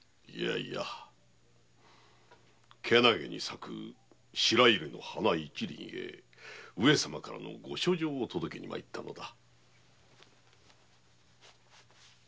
いや健気に咲く白百合の花一輪へ上様からのご書状を届けに参ったのだ。